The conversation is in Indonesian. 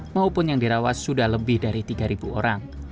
maupun yang dirawat sudah lebih dari tiga orang